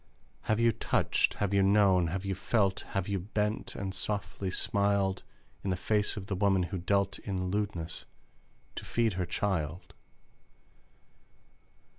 Have you touched, have you known, have you felt, Have you bent and softly smiled In the face of the woman who dealt In lewdness to feed her child?